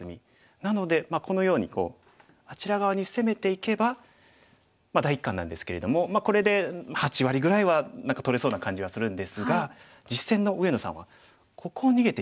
なのでこのようにあちら側に攻めていけば第一感なんですけれどもこれで８割ぐらいは何か取れそうな感じはするんですが実戦の上野さんはここを逃げていったんですね。